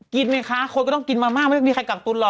ไหมคะคนก็ต้องกินมามากไม่มีใครกักตุนหรอก